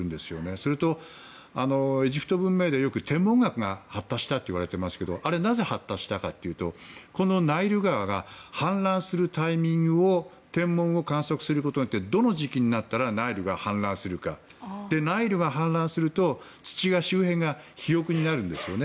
それと、エジプト文明でよく天文学が発達したといわれていますけどあれはなぜ発達したかというとこのナイル川が氾濫するタイミングを天文を観測することによってどの時期になったらナイルが氾濫するか。ナイルが氾濫すると土や周辺が肥沃になるんですよね。